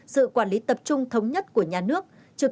sự quản lý tập trung thống nhất của nhà nước